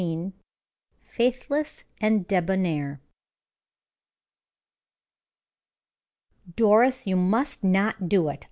"FAITHLESS AND DEBONAIR." "Doris, you must not do it.